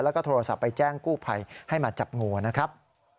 แล้วก็โทรศัพท์ไปแจ้งกู้ภัยให้มาจับงูนะครับ